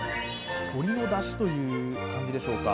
鶏のだしという感じでしょうか。